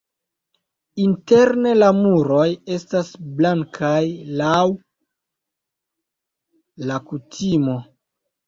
Interne la muroj estas blankaj laŭ la kutimo.